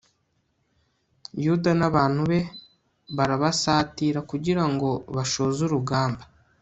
yuda n'abantu be barabasatira kugira ngo bashoze urugamba